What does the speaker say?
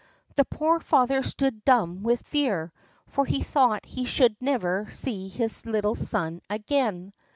The poor father stood dumb with fear, for he thought he should never see his little son again.